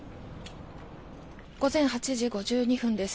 午前８時５２分です。